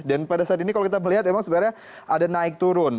dan pada saat ini kalau kita melihat memang sebenarnya ada naik turun